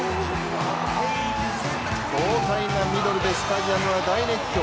豪快なミドルでスタジアムは大熱狂。